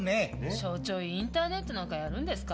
所長インターネットなんかやるんですか？